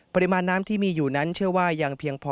ปริมาณน้ำที่มีอยู่นั้นเชื่อว่ายังเพียงพอ